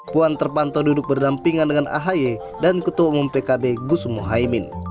puan terpantau duduk berdampingan dengan ahy dan ketua umum pkb gus mohaimin